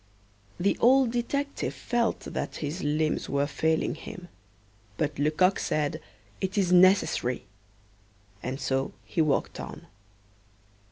The old detective felt that his limbs were failing him; but Lecoq said: "It is necessary," and so he walked on.